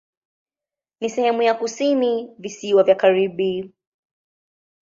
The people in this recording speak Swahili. Ni sehemu ya kusini Visiwa vya Karibi.